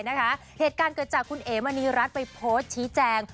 เหตุการณ์เกิดจากคุณเอ๋มณีรัฐไปโพสต์ชี้แจง